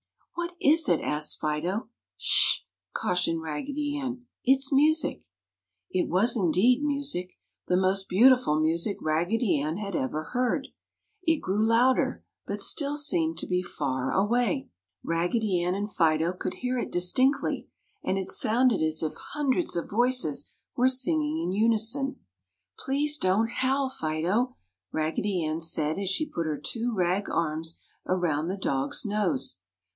"What is it?" asked Fido. "Sh!" cautioned Raggedy Ann, "It's music." It was indeed music, the most beautiful music Raggedy Ann had ever heard. It grew louder, but still seemed to be far away. Raggedy Ann and Fido could hear it distinctly and it sounded as if hundreds of voices were singing in unison. "Please don't howl, Fido," Raggedy Ann said as she put her two rag arms around the dog's nose.